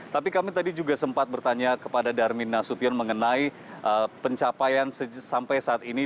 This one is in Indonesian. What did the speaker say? tapi kami tadi juga sempat bertanya kepada darmin nasution mengenai pencapaian sampai saat ini